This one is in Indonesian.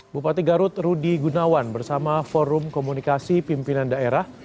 bupati garut rudi gunawan bersama forum komunikasi pimpinan daerah